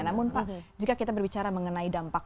namun pak jika kita berbicara mengenai dampak